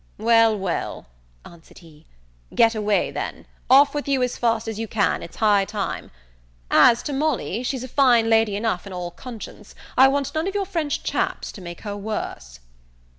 "Well, well," answered he, "get away then; off with you as fast as you can, it's high time. As to Molly, she's fine lady enough in all conscience; I want none of your French chaps to make her worse."